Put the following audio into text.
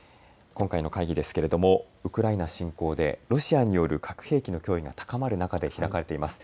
今回の会議ですけれどもウクライナ侵攻でロシアによる核兵器の脅威が高まる中で開かれています。